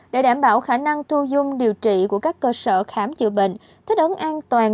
để đảm bảo khả năng thu dung điều trị của các cơ sở khám chữa bệnh thích ứng an toàn